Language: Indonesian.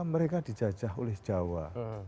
mereka dijajah oleh jawa